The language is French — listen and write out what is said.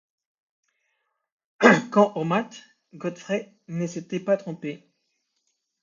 Quant au mât, Godfrey ne s’était pas trompé.